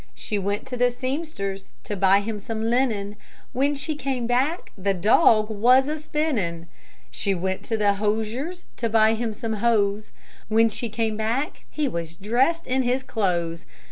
She went to the sempster's To buy him some linen; When she came back The dog was a spinning. She went to the hosier's To buy him some hose; When she came back He was dressed in his clothes.